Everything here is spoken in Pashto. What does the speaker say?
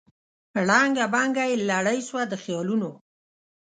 ړنګه بنګه یې لړۍ سوه د خیالونو